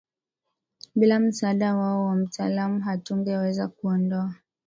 Bila msaada wao wa mtaalam hatungeweza kuondoa